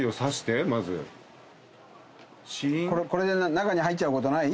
中に入っちゃうことない？